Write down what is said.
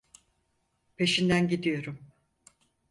Peşinden gidiyorum.